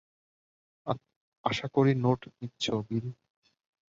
আশা করি নোট নিচ্ছো, বিল।